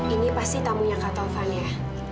ini pasti tamunya kak taufan ya